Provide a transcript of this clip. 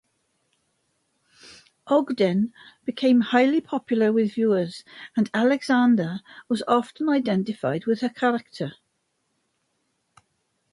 Ogden became highly popular with viewers and Alexander was often identified with her character.